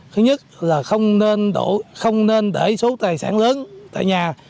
thứ nhất là không nên để số tài sản lớn tại nhà